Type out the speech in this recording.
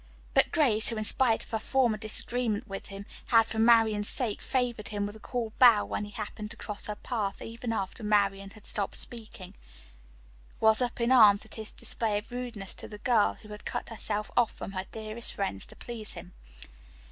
But Grace, who in spite of her former disagreement with him, had for Marian's sake favored him with a cool bow when he happened to cross her path even after Marian had stopped speaking, was up in arms at his display of rudeness to the girl who had cut herself off from her dearest friends to please him.